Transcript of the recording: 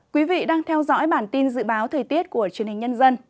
quý vị đang theo dõi bản tin dự báo thời tiết của truyền hình nhân dân